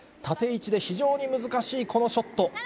縦位置で非常に難しいこのショット。